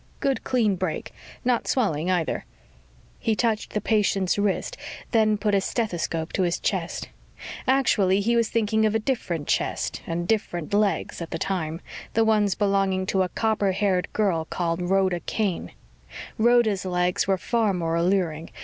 "Good clean break. Not swelling, either." He touched the patient's wrist, then put a stethoscope to his chest. Actually, he was thinking of a different chest and different legs at the time the ones belonging to a copper haired girl named Rhoda Kane. Rhoda's legs were far more alluring.